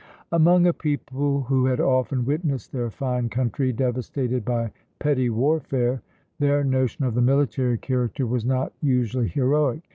Among a people who had often witnessed their fine country devastated by petty warfare, their notion of the military character was not usually heroic.